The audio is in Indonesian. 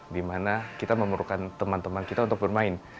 dimana kita memerlukan teman teman kita untuk bermain